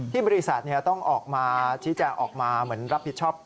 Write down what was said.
บริษัทต้องออกมาชี้แจงออกมาเหมือนรับผิดชอบ